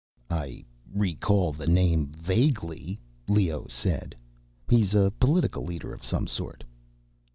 "I recall the name vaguely," Leoh said. "He's a political leader of some sort."